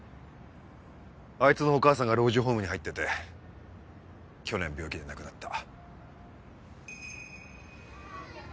あいつのお母さんが老人ホームに入ってて去年病気で亡くなった。